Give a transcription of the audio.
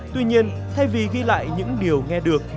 tuy nhiên thay vì ghi lại những điều nghe được